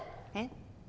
えっ？